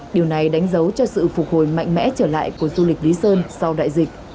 điều này đánh dấu cho sự phục hồi mạnh mẽ trở lại của du lịch lý sơn sau đại dịch